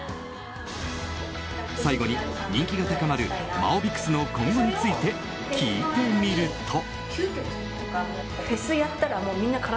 最後に人気が高まるマオビクスの今後について聞いてみると。